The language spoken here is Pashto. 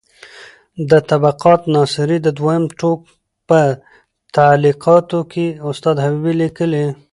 د طبقات ناصري د دویم ټوک په تعلیقاتو کې استاد حبیبي لیکي: